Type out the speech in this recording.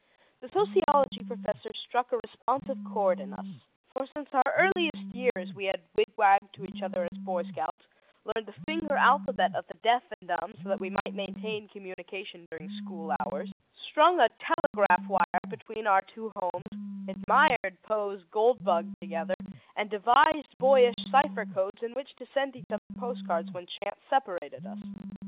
The sociology professor struck a responsive chord in us: for since our earliest years we had wigwagged to each other as Boy Scouts, learned the finger alphabet of the deaf and dumb so that we might maintain communication during school hours, strung a telegraph wire between our two homes, admired Poe's "Gold Bug" together and devised boyish cipher codes in which to send each other postcards when chance separated us.